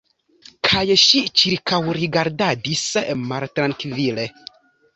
Kaj ŝi ĉirkaŭrigardadis maltrankvile.